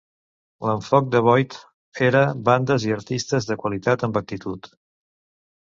L'enfoc de Boyd era "bandes i artistes de qualitat amb actitud".